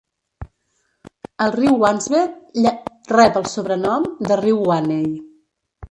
El riu Wansbeck rep el sobrenom de riu Wanney.